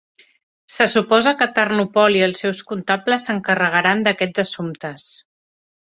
Se suposa que Tarnopol i els seus comptables s"encarregaran d'aquests assumptes.